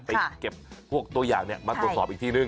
ไปเก็บพวกตัวอย่างมาตรวจสอบอีกทีนึง